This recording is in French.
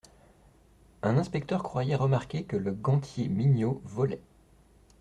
Un inspecteur croyait remarquer que le gantier Mignot volait.